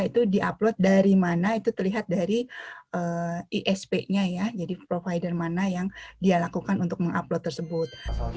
itu di upload dari mana itu terlihat dari isp nya ya jadi provider mana yang dia lakukan untuk mengupload tersebut